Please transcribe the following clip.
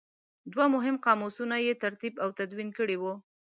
دوه مهم قاموسونه یې ترتیب او تدوین کړي وو.